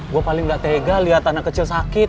gue paling gak tega lihat anak kecil sakit